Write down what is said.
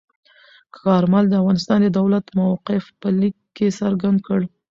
کارمل د افغانستان د دولت موقف په لیک کې څرګند کړ.